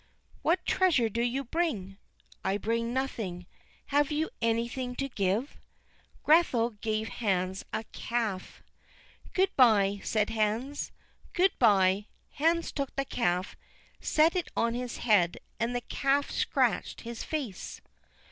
What treasure do you bring?" "I bring nothing. Have you anything to give?" Grethel gave Hans a calf. "Good by," said Hans. "Good by." Hans took the calf, set it on his head, and the calf scratched his face.